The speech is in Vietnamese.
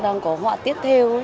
đang có họa tiếp theo